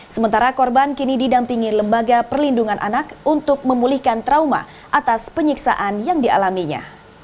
sementara korban kini didampingi lembaga perlindungan anak untuk memulihkan trauma atas penyiksaan yang dialaminya